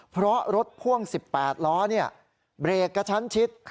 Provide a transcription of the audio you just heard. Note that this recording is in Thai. เพราะรถพ่วง๑๘ล้อเบรกกระชั้นชิด